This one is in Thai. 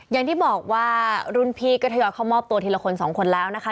อย่างที่บอกว่ารุ่นพี่ก็ทยอยเข้ามอบตัวทีละคนสองคนแล้วนะคะ